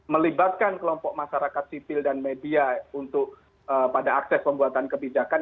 melibatkan kelompok masyarakat sipil dan media untuk pada akses pembuatan kebijakan